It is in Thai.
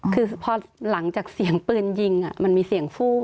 คือพอหลังจากเสียงปืนยิงมันมีเสียงฟู้